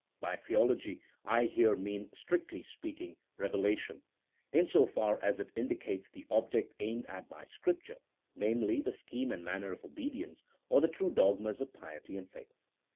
By theology, I here mean, strictly speaking, revelation, in so far as it indicates the object aimed at by Scripture — namely, the scheme and manner of obedience, or the true dogmas of piety and faith.